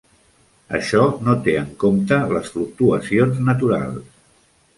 Això no té en compte les fluctuacions naturals.